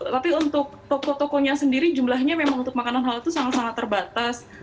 tapi untuk toko tokonya sendiri jumlahnya memang untuk makanan halal itu sangat sangat terbatas